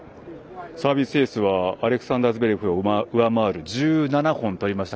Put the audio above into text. サービスエースはアレクサンダー・ズベレフを上回る１７本取りました。